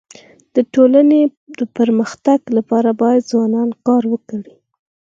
د ټولني د پرمختګ لپاره باید ځوانان کار وکړي.